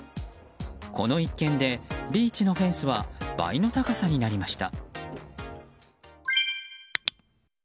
この一件でビーチのフェンスは倍の高さになりました。